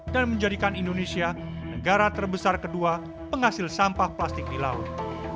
dan menjadikan indonesia negara terbesar kedua penghasil sampah plastik di laut